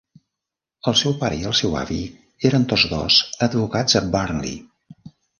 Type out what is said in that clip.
El seu pare i el seu avi eren tots dos advocats a Burnley.